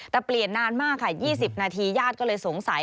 แต่เปลี่ยนนานมากค่ะ๒๐นาทีญาติก็เลยสงสัย